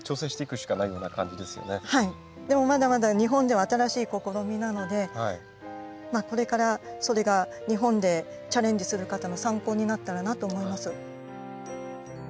でもまだまだ日本では新しい試みなのでこれからそれが日本でチャレンジする方の参考になったらなと思います。